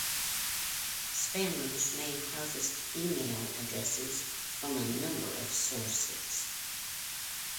Spammers may harvest email addresses from a number of sources.